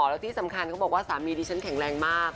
แล้วที่สำคัญเขาบอกว่าสามีดิฉันแข็งแรงมาก